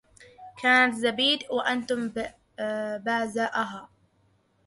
كانت زبيد وأنتم بازائها